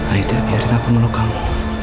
aida biarin aku menolong kamu